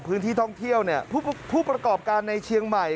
พื้นที่ท่องเที่ยวเนี่ยผู้ประกอบการในเชียงใหม่